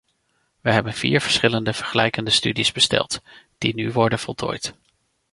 We hebben vier verschillende vergelijkende studies besteld, die nu worden voltooid.